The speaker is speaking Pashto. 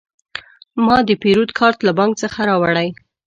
ما د پیرود کارت له بانک څخه راوړی.